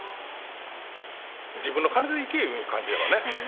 自分の金で行けいう感じだよね。